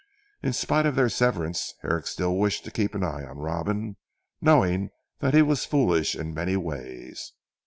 In spite of their severance, Herrick still wished to keep an eye on Robin knowing that he was foolish in many ways.